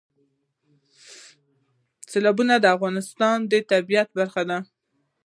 سیلابونه د افغانستان د طبیعت برخه ده.